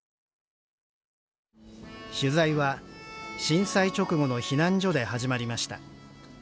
取材は震災直後の避難所で始まりました。